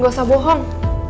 gak usah bohong